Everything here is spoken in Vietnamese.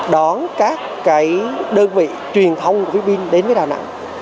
đón các đơn vị truyền thông của philippines đến với đà nẵng